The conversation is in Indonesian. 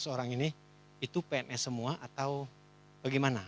delapan ratus orang ini itu pns semua atau bagaimana